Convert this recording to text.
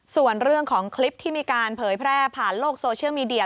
ส่วนเรื่องของคลิปที่มีการเผยแพร่ผ่านโลกโซเชียลมีเดีย